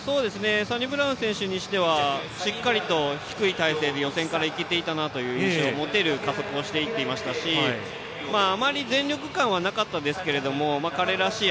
サニブラウン選手にしてはしっかり低い体勢で予選から行けていたという印象を持てる加速をしていっていましたしあまり全力感はなかったんですが彼らしい